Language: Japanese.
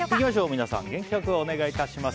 皆さん元気良くお願い致します。